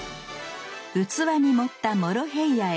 器に盛ったモロヘイヤへ。